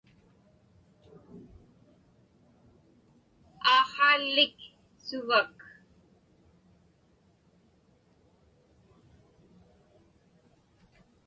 Aaqhaalik suvak?